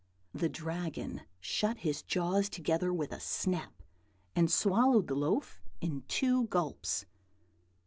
The Dragon shut his jaws together with a snap, and swallowed the loaf in two gulps.